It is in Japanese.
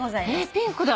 ピンクだ。